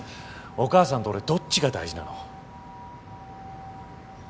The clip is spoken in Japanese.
お母さんと俺どっちが大事なの？